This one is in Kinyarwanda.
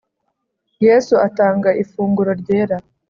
Yesu atanga ifunguro ryera